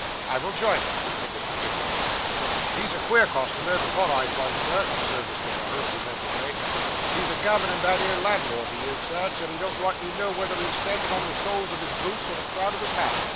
'I will join them,' said Mr. Pickwick. 'He's a queer customer, the vun eyed vun, sir,' observed Mr. Weller, as he led the way. 'He's a gammonin' that 'ere landlord, he is, sir, till he don't rightly know wether he's a standing on the soles of his boots or the crown of his hat.